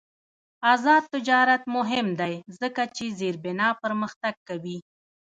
آزاد تجارت مهم دی ځکه چې زیربنا پرمختګ کوي.